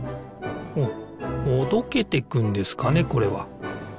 ほどけていくんですかねこれは。